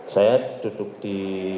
saya duduk di